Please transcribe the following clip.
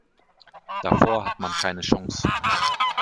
Davor hat man keine Chance.